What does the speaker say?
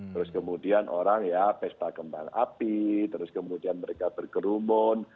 terus kemudian orang ya pesta kembang api terus kemudian mereka berkerumun